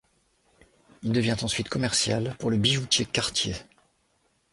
Il devient ensuite commercial pour le bijoutier Cartier.